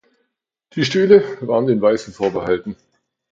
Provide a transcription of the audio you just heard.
Die Stühle waren den Weißen vorbehalten.